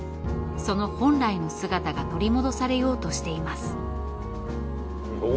その本来の姿が取り戻されようとしています。